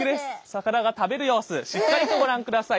魚が食べる様子しっかりとご覧ください。